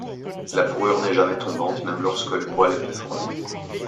La fourrure n'est jamais tombante, même lorsque le poil est peu fourni.